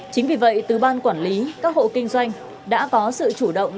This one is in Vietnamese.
chính vì vậy từ ban quản lý các hộ kinh doanh đã có sự chủ động